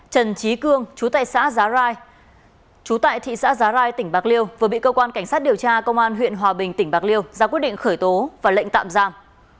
trần trí cương chú tại thị xã giá rai tỉnh bạc liêu vừa bị cơ quan cảnh sát điều tra công an huyện hòa bình tỉnh bạc liêu ra quyết định khởi tố và lệnh tạm giam